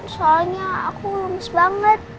soalnya aku lemes banget